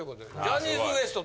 ジャニーズＷＥＳＴ